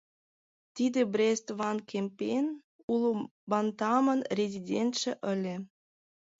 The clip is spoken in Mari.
Тиде Брест-ван-Кемпен, уло Бантамын резидентше ыле.